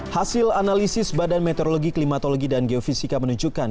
hasil analisis badan meteorologi klimatologi dan geofisika menunjukkan